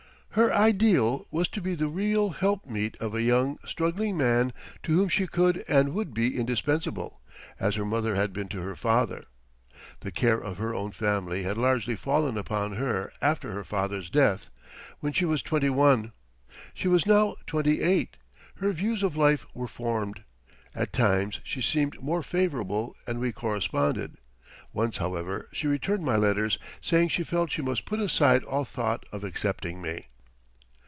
Her ideal was to be the real helpmeet of a young, struggling man to whom she could and would be indispensable, as her mother had been to her father. The care of her own family had largely fallen upon her after her father's death when she was twenty one. She was now twenty eight; her views of life were formed. At times she seemed more favorable and we corresponded. Once, however, she returned my letters saying she felt she must put aside all thought of accepting me.